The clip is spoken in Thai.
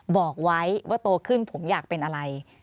บอกไว้ว่าโตขึ้นผมอยากเป็นอะไร